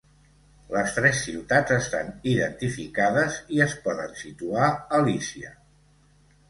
Les tres ciutats estan identificades i es poden situar a Lícia.